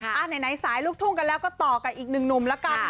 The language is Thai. ไหนสายลูกทุ่งกันแล้วก็ต่อกับอีกหนึ่งหนุ่มละกัน